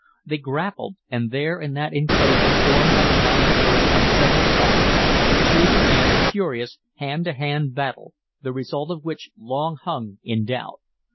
They grappled, and there in that enclosure formed by the mounds of earth on several sides the two began a furious hand to hand battle, the result of which long hung in doubt.